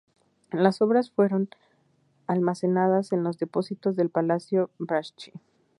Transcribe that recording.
Las obras fueron almacenadas en los depósitos del Palacio Braschi.